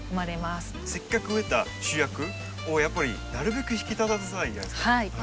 せっかく植えた主役をやっぱりなるべく引き立たせたいじゃないですか。